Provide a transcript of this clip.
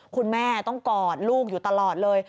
คุณแม่ต้องกอดลูกอยู่ตลอดเลย